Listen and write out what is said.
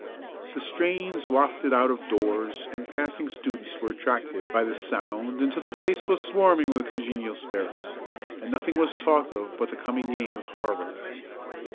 The strains wafted out of doors and passing students were attracted by the sound until the place was swarming with congenial spirits, and nothing was talked of but the coming game with Harvard.